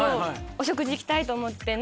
お食事行きたいと思って。